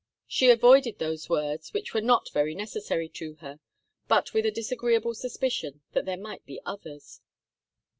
She avoided those words, which were not very necessary to her, but with a disagreeable suspicion that there might be others.